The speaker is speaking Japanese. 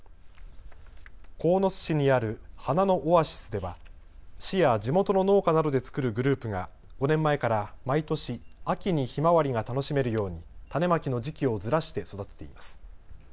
鴻巣市にある花のオアシスでは市や地元の農家などで作るグループが５年前から毎年、秋にひまわりが楽しめるように種まきの時期をずらして育てています。